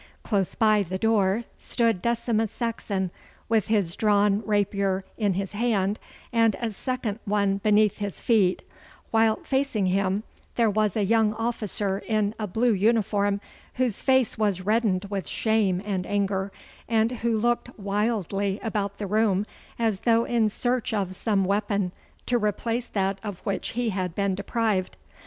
Close by the door stood Decimus Saxon, with his drawn rapier in his hand and a second one beneath his feet, while facing him there was a young officer in a blue uniform, whose face was reddened with shame and anger, and who looked wildly about the room as though in search of some weapon to replace that of which he had been deprived.